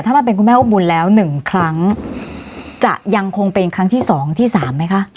ถ้ามาเป็นคุณแม่อุ้มบุญแล้วหนึ่งครั้งจะยังคงเป็นครั้งที่สองที่สามไหมคะ